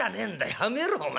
やめろお前。